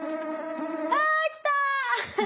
あ来た！